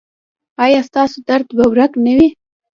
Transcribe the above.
ایا ستاسو درد به ورک نه وي؟